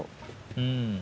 うん。